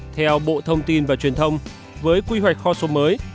theo bộ thông tin và truyền thông với quy hoạch kho số mới